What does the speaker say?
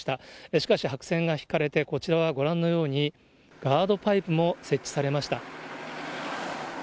しかし白線が引かれて、こちらはご覧のようにガードパイプも設置されました。